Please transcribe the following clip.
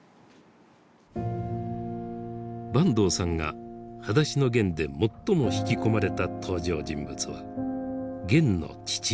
坂東さんが「はだしのゲン」で最も引き込まれた登場人物はゲンの父親。